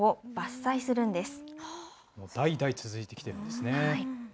代々続いてきてるんですね。